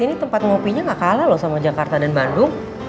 ini tempat ngopinya gak kalah loh sama jakarta dan bandung